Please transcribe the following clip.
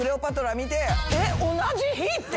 ずっと同じ日？って。